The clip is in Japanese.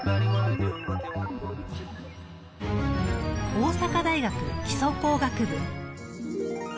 大阪大学基礎工学部。